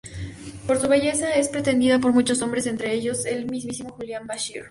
Por su belleza es pretendida por muchos hombres, entre ellos el mismísimo Julian Bashir.